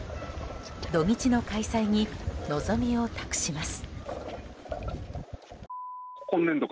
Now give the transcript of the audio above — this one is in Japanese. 土日の開催に望みを託します。